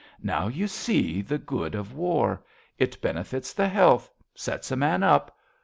Now you see The good of war. It benefits the health. Sets a man up.